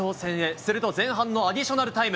すると前半のアディショナルタイム。